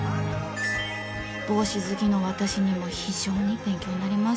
帽子好きの私にも非常に勉強になります